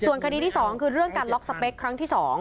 คดีที่๒คือเรื่องการล็อกสเปคครั้งที่๒